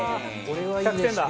１００点だ。